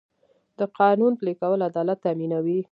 د قانون پلي کول عدالت تامینوي.